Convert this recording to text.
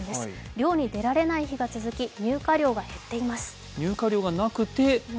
漁に出られない日が続き入荷量が減っています